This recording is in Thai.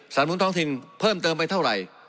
นุนท้องถิ่นเพิ่มเติมไปเท่าไหร่